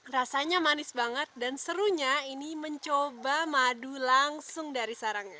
rasanya manis banget dan serunya ini mencoba madu langsung dari sarangnya